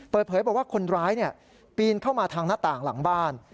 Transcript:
เปิดเผยบอกว่าคนร้ายปีนเข้ามาทางหน้าต่างหลังบ้าน